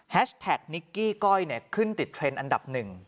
แท็กนิกกี้ก้อยขึ้นติดเทรนด์อันดับหนึ่ง